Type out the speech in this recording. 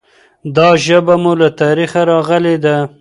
دا ژبه مو له تاریخه راغلي ده.